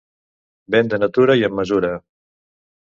Vent de natura i amb mesura.